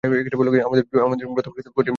আমাদের ব্রত কঠিন বলেই রসের দরকার বেশি।